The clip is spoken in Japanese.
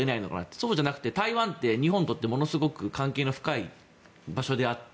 そうじゃなくて台湾って日本にとってものすごく関係の深い場所であって。